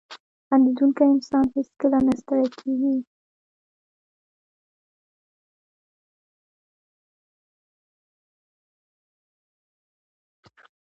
• خندېدونکی انسان هیڅکله نه ستړی کېږي.